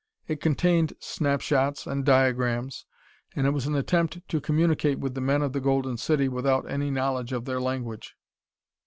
It contained snapshots, and diagrams, and it was an attempt to communicate with the men of the Golden City without any knowledge of their language.